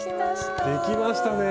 できましたね。